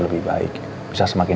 terima kasih sayang ya